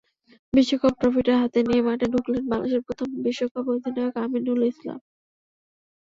বিশ্বকাপ ট্রফিটা হাতে নিয়ে মাঠে ঢুকলেন বাংলাদেশের প্রথম বিশ্বকাপ অধিনায়ক আমিনুল ইসলাম।